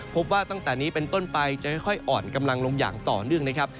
พบว่าตั้งแต่นี้เป็นต้นไปจะค่อยอ่อนกำลังลงอย่างต่อเนื่องนะครับ